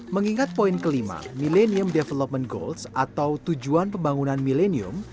mengingat poin kelima millennium development goals atau tujuan pembangunan millennium